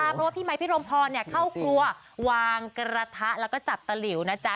เพราะว่าพี่ไมค์พี่รมพรเข้าครัววางกระทะแล้วก็จับตะหลิวนะจ๊ะ